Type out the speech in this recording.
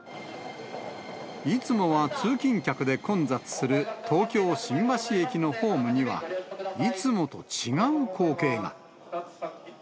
いつもは通勤客で混雑する東京・新橋駅のホームには、いつもと違う光景が。